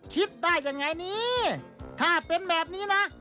คิดได้ยังไงนี่ถ้าเป็นแบบนี้นะ